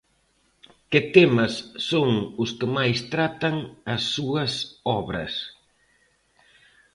Que temas son os que máis tratan as súas obras?